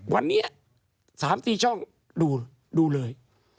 วันนี้๓๔ช่องดูเลย